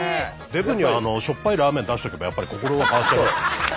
デブにはしょっぱいラーメン出しとけばやっぱり心は変わっちゃいますからね。